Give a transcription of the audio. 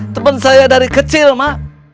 temen saya dari kecil ma